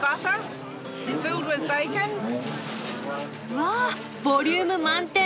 わあボリューム満点！